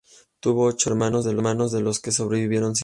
Tuvo ocho hermanos de los que sobrevivieron cinco.